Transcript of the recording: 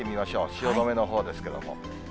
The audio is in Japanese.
汐留のほうですけれども。